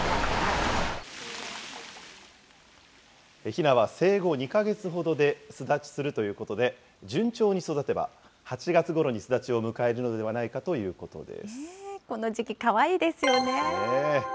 ひなは生後２か月ほどで巣立ちするということで、順調に育てば８月ごろに巣立ちを迎えるのではないかということでこの時期、かわいいですよね。